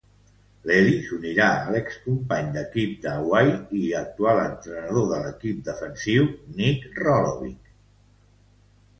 Lelie s'unirà a l'excompany d'equip de Hawaii i actual entrenador de l"equip defensiu Nick Rolovich.